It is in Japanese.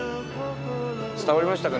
伝わりましたかね？